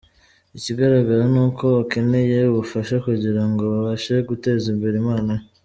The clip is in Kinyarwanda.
Ikigaragara ni uko akeneye ubufasha kugira ngo abashe guteza imbere impano ye.